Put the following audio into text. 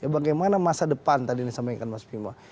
bagaimana masa depan tadi yang disampaikan mas bima